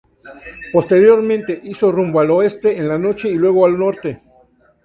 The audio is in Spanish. Posteriormente, hizo rumbo al oeste en la noche y luego al norte.